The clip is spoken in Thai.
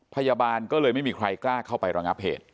พยาบาลก็เลยไม่มีใครกล้าเข้าไประงับเหตุ